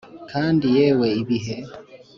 kandi yewe ibihe